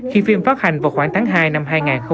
khi phim phát hành vào khoảng tháng hai năm hai nghìn hai mươi